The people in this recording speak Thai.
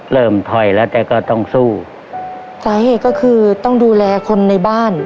เริ่มถอยแล้วแต่ก็ต้องสู้สาเหตุก็คือต้องดูแลคนในบ้าน